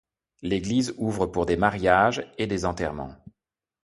L'église ouvre pour des mariages et des enterrements.